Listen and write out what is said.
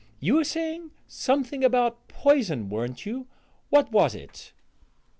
You were saying something about poison, weren't you what was it?"